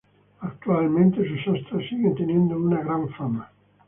Actualmente, sus ostras siguen teniendo una gran fama.